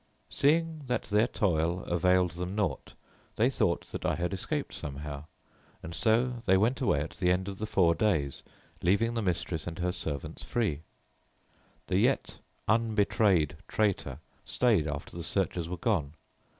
"Seeing that their toil availed them nought, they thought that I had escaped somehow, and so they went away at the end of the four days, leaving the mistress and her servants free. The yet unbetrayed traitor stayed after the searchers were gone.